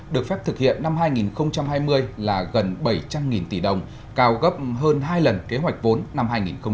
được phép thực hiện năm hai nghìn hai mươi là gần bảy trăm linh tỷ đồng cao gấp hơn hai lần kế hoạch vốn năm hai nghìn hai mươi